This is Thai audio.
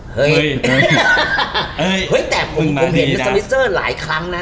เฮ้ยแต่ผมเห็นซัมมิเซอร์หลายครั้งนะ